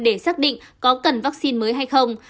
để xác định có cần vaccine mới hay không